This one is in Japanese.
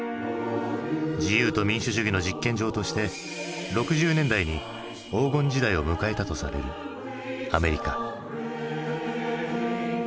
自由と民主主義の実験場として６０年代に黄金時代を迎えたとされるアメリカ。